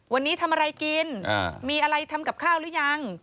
วันนี้ทำอะไรกินมีอะไรทำกับข้าวหรือยัง